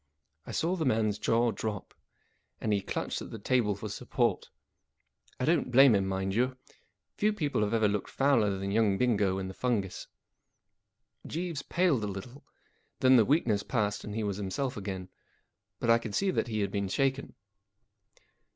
I saw the man's jaw drop, and he clutched at the table for support. I don't blame him, rrtind you. Few people have ever looked fouler than young Bingo in the fungus. Jeeves paled a little ; then the weakness passed and he was himself again. But I could see that he had been shaken.